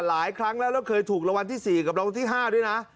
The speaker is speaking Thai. หลายครั้งแล้วเราเคยถูกละวันที่๔กับลองที่๕ด้วยนะ